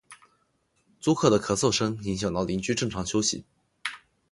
租客的咳嗽声影响到邻居正常休息